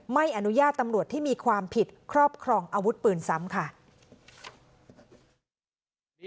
ไม่อนุญาตตำรวจที่มีความผิดครอบครองอาวุธปืนซ้ำค่ะ